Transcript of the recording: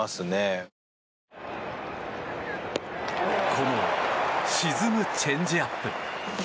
この沈むチェンジアップ。